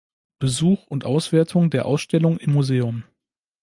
Besuch und Auswertung der Ausstellung im Museum.